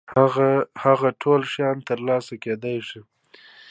هغه ټول شيان تر لاسه کېدای شي.